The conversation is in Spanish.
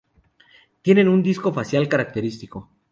Tienen un disco facial característico.